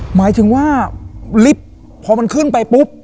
หมายถึงว่าลิฟต์พอมันขึ้นไปปุ๊บ